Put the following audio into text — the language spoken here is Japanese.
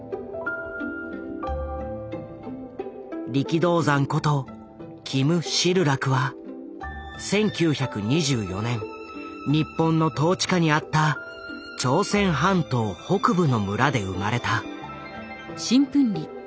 力道山ことキム・シルラクは１９２４年日本の統治下にあった朝鮮半島北部の村で生まれた。